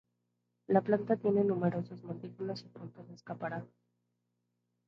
La planta tiene numerosos montículos y puntos escarpados.